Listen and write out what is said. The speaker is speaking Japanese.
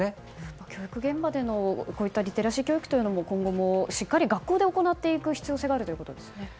教育現場でのリテラシー教育というのも今後しっかり学校で行っていく必要性があるということですね。